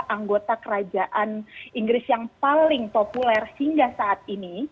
anggota kerajaan inggris yang paling populer hingga saat ini